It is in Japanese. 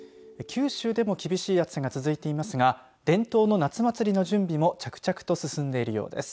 九州でも厳しい暑さが続いていますが伝統の夏祭りの準備も着々と進んでいるようです。